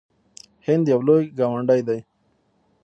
هند یو لوی ګاونډی دی.